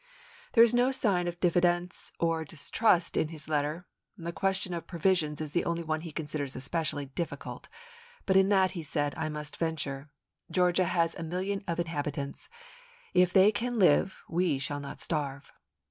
There is no sign of dif fidence or distrust in his letter; the question of provisions is the only one he considers especially difficult, " but in that," he said, " I must venture. "MemoSs'" Georgia has a million of inhabitants ; if they can pp. 27, 28. live we should not starve."